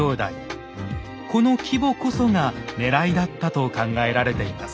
この規模こそがねらいだったと考えられています。